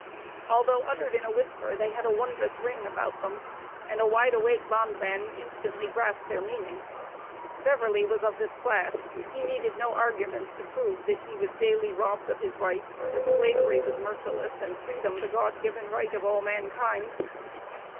Although uttered in a whisper, they had a wondrous ring about them, and a wide awake bondman instantly grasped their meaning. Beverly was of this class; he needed no arguments to prove that he was daily robbed of his rights that Slavery was merciless and freedom the God given right of all mankind.